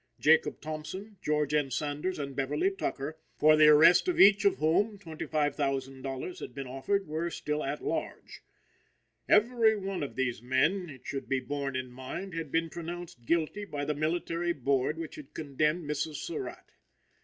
Jacob Thompson, George N. Sanders and Beverly Tucker, for the arrest of each of whom $25,000 had been offered, were still at large. Every one of these men, it should be borne in mind, had been pronounced guilty by the military board which had condemned Mrs. Surratt.